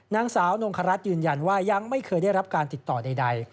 นางสาวนงครัฐยืนยันว่ายังไม่เคยได้รับการติดต่อใด